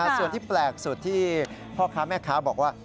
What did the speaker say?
ส่วนที่แปลกสุดที่พ่อค้าแม่ค้าบอกว่า